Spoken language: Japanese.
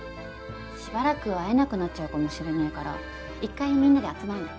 しばらく会えなくなっちゃうかもしれないから１回みんなで集まらない？